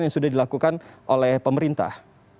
yang sudah dilakukan oleh pemerintah